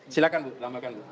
silahkan bu tambahkan bu